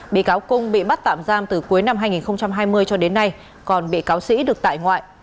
bị cáo cung bị bắt tạm giam từ cuối năm hai nghìn hai mươi cho đến nay còn bị cáo sĩ được tại ngoại